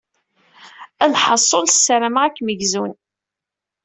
Lḥaṣul, ssarameɣ ad kem-gzun.